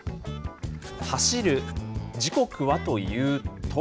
走る時刻はというと。